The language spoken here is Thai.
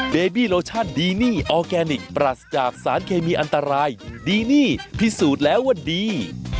เบบี้โลชั่นดีนี่ออร์แกนิคปรัสจากสารเคมีอันตรายดีนี่พิสูจน์แล้วว่าดี